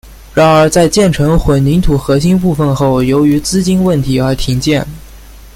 然而在建成混凝土核心部分后由于资金问题而停建。